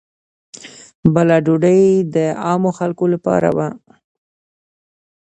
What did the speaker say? بله ډوډۍ د عامو خلکو لپاره وه.